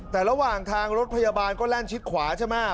แต่ระหว่างทางรถพยาบาลก็แล่นชิดขวาใช่ไหม